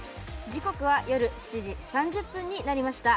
時刻は夜７時３０分になりました。